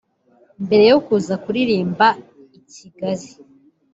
Mbere yo kuza kuririmbira i Kigali